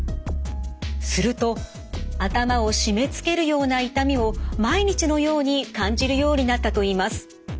すると頭を締めつけるような痛みを毎日のように感じるようになったといいます。